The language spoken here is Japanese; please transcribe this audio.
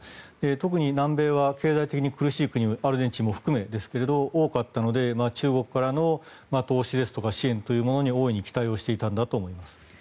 特に南米は経済的に苦しい国アルゼンチンも含めてですが多かったので中国からの投資、支援に大いに期待をしていたんだと思います。